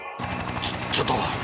ちょっちょっと。